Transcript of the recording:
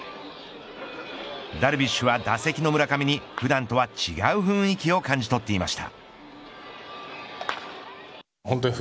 ダルビッシュは打席の村上に普段とは違う雰囲気を感じ取っていました。